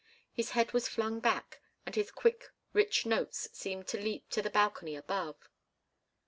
His head was flung back and his quick, rich notes seemed to leap to the balcony above.